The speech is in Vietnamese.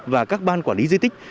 và các ban quản lý di tích